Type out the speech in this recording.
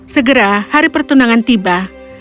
segera hari pertunangan tiba